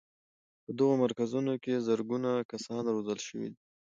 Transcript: په دغو مرکزونو کې زرګونه کسان روزل شوي وو.